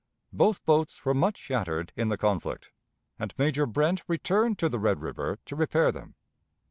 Both boats were much shattered in the conflict, and Major Brent returned to the Red River to repair them.